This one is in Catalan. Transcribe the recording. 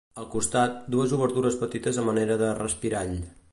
Al costat, dues obertures petites a manera de respirall.